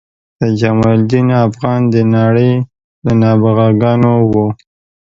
سید جمال الدین افغان د نړۍ له نابغه ګانو و.